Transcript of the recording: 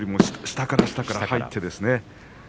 下から下から入ってですね